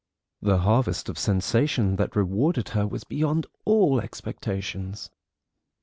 The harvest of sensation that rewarded her was beyond all expectations.